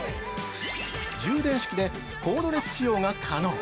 充電式でコードレス使用が可能！